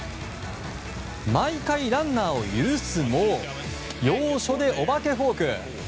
毎回ランナーを許すも要所でお化けフォーク。